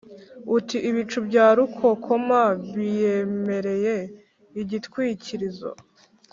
uti ‘ibicu bya rukokoma biyibereye igitwikirizo